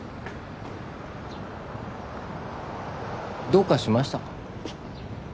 どうかしましたか？